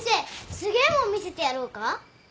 すげえもん見せてやろうか？